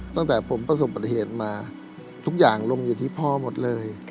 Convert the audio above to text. ตั้งแต่ผมประสบปฏิเหตุมาทุกอย่างลงอยู่ที่พ่อหมดเลย